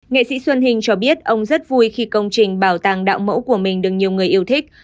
nghệ sĩ xuân hình cho biết ông rất vui khi công trình bảo tàng đạo mẫu của mình được nhiều người yêu thích